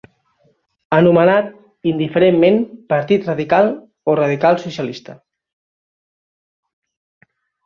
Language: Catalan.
Anomenat indiferentment partit radical o radical-socialista.